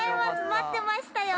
待ってましたよ。